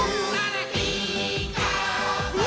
「ピーカーブ！」